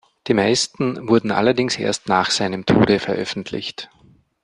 Die meisten wurden allerdings erst nach seinem Tode veröffentlicht.